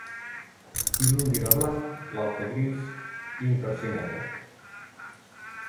I l’un dirà blanc, l’altre gris i un tercer negre.